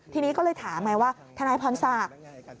ทีนี้ก็เลยถามไงว่าทนายพรศักดิ์